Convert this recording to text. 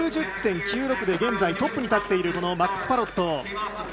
９０．９６で現在トップに立っているマックス・パロット。